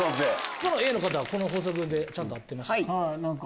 他のＡの方はこの法則でちゃんと合ってましたか？